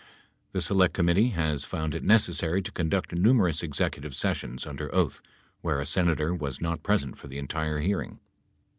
The Select Committee has found it necessary to conduct numerous executive sessions under oath where a Senator was not present for the entire hearing.